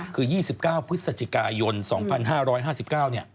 คือ๒๙พฤศจิกายน๒๕๕๙เนี่ย